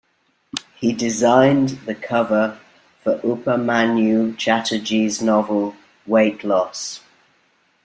He designed the cover for Upamanyu Chatterjee's novel, "Weight Loss".